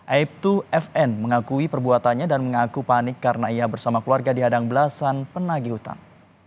aibtu fn mengakui perbuatannya dan mengaku panik karena ia bersama keluarga dihadang belasan penagi hutang